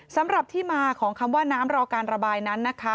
สำหรับที่มาของคำว่าน้ำรอการระบายนั้นนะคะ